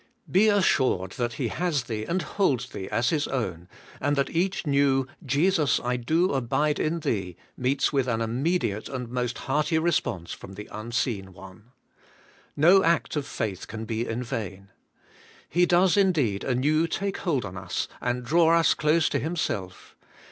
Be assured that He has thee and holds thee as His own, and that each new * Jesus, I do abide in Thee,' meets with an immediate and most hearty response from the Unseen One. No act of faith can be in vain. He does indeed anew take hold on us and draw us close to Himself.